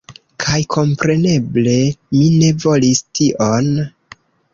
Kaj kompreneble, mi ne volis tion.